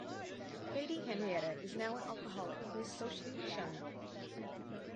Lady Henrietta is now an alcoholic who is socially shunned.